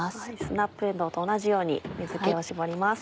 スナップえんどうと同じように水気を絞ります。